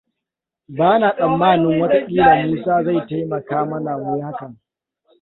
Ba na tsammanin watakila Musa zai taimaka mana mu yi hakan.